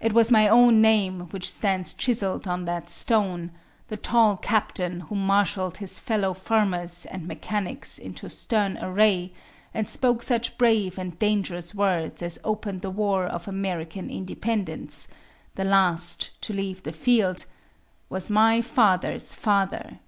It was my own name which stands chiseled on that stone; the tall captain who marshalled his fellow farmers and mechanics into stern array, and spoke such brave and dangerous words as opened the war of American Independence, the last to leave the field, was my father's father.